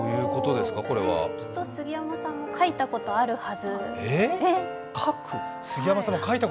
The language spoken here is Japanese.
きっと杉山さんも書いたことあるはず書く？